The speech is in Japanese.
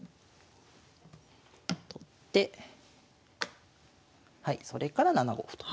取ってはいそれから７五歩と。